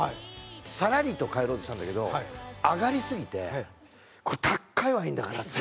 さらりと帰ろうとしたんだけどアガりすぎて「これ高いワインだから」って。